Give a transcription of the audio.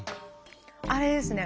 あれですね。